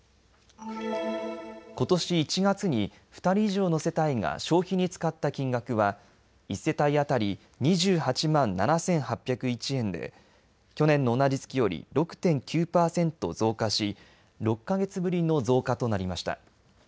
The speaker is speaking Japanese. ことし１月に２人以上の世帯が消費に使った金額は１世帯当たり２８万７８０１円で去年の同じ月より６．９％増加し６か月ぶりの増加となりました。